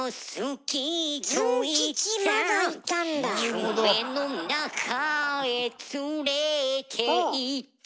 「夢の中へ連れて行って」